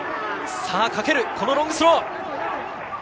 かける、このロングスロー。